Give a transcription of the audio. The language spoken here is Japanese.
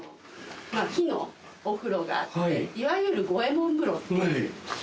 木のお風呂があっていわゆる五右衛門風呂っていう。